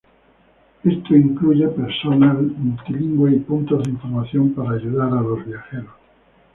Esto incluye personal multilingüe y puntos de información para ayudar a los viajeros.